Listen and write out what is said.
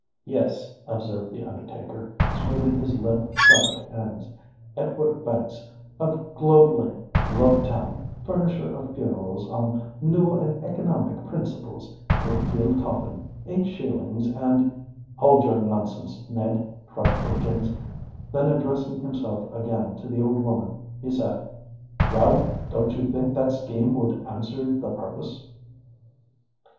"Yes," observed the undertaker, smoothing his limp cravat ends: "Edward Banks, of Globe Lane, Globe Town—Furnisher of Funerals on New and Economic Principles—Good Deal Coffin, Eight Shillings and——" "Hold your nonsense, Ned," cried Tidkins: then addressing himself again to the old woman, he said, "Well—don't you think that scheme would answer the purpose?"